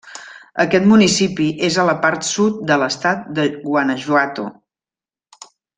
Aquest municipi és a la part sud de l'estat de Guanajuato.